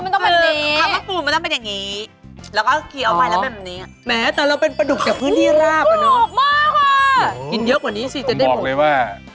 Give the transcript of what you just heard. คุณคะ